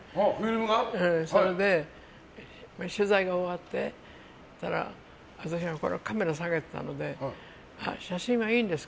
それで、取材が終わって私がカメラを提げていたので写真はいいんですか？